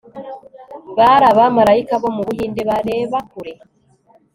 bari abamarayika bo mu buhinde bareba kure